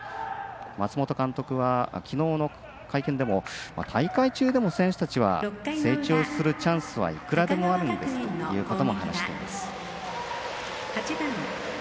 松本監督は、きのうの会見でも大会中でも選手たちは成長するチャンスはいくらでもあるんですということも話しています。